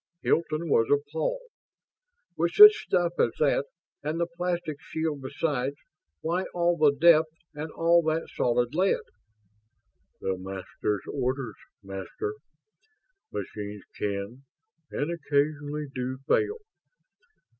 Hilton was appalled. "With such stuff as that, and the plastic shield besides, why all the depth and all that solid lead?" "The Masters' orders, Master. Machines can, and occasionally do, fail.